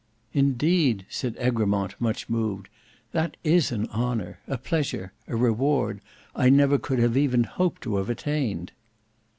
"Indeed," said Egremont much moved, "that is an honour,—a pleasure,—a reward, I never could have even hoped to have attained."